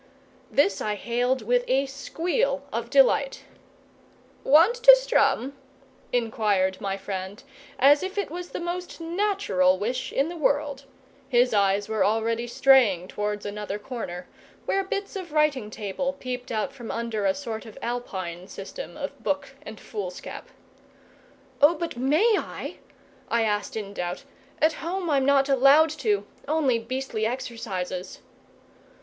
This I hailed with a squeal of delight. "Want to strum?" inquired my friend, as if it was the most natural wish in the world his eyes were already straying towards another corner, where bits of writing table peeped out from under a sort of Alpine system of book and foolscap. "O, but may I?" I asked in doubt. "At home I'm not allowed to only beastly exercises!"